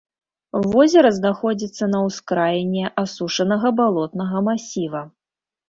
Возера знаходзіцца на ўскраіне асушанага балотнага масіва.